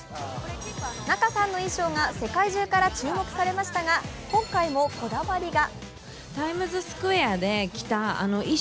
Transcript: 仲さんの衣装が世界中から注目されましたが今回もこだわりが。